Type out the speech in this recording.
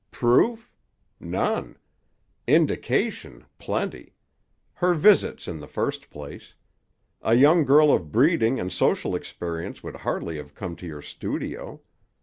"Proof? None. Indication, plenty. Her visits, in the first place. A young girl of breeding and social experience would hardly have come to your studio.